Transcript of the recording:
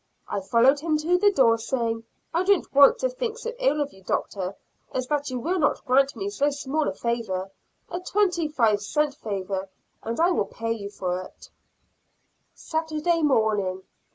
I followed him to the door, saying, "I don't want to think so ill of you, Doctor, as that you will not grant me so small a favor a twenty five cent favor and I will pay for it myself." Saturday Morning.